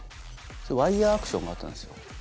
それワイヤアクションがあったんですよ。